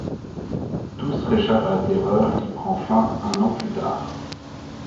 Tous réchappent à la Terreur qui prend fin un an plus tard.